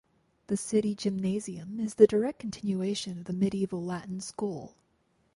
The city Gymnasium is the direct continuation of the medieval latin school.